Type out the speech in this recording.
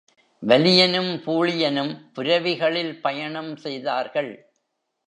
வலியனும் பூழியனும் புரவிகளில் பயணம் செய்தார்கள்.